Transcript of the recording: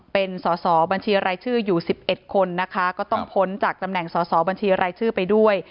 เป็นสอสอบัญชีรายชื่ออยู่๑๑คนนะคะก็ต้องพ้นจากตำแหน่งสอสอบัญชีรายชื่อไปด้วย